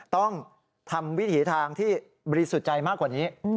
ต้องทำวิถีทางที่บริสุทธิ์ใจมากกว่านี้